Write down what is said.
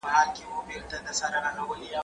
دا موسيقي له هغه خوږه ده؟!